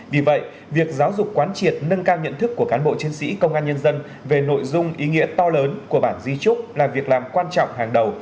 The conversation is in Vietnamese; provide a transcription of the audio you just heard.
vì vậy việc giáo dục quán triệt nâng cao nhận thức của cán bộ chiến sĩ công an nhân dân về nội dung ý nghĩa to lớn của bản di trúc là việc làm quan trọng hàng đầu